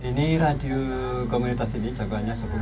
ini radio komunitas ini jangkauannya sepuluh km